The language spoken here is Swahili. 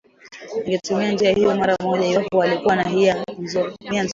ingetumia njia hiyo mara moja iwapo walikuwa na nia nzuri